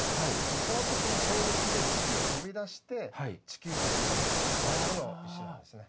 その時の衝撃で月を飛び出して地球まで飛んできたタイプの石なんですね。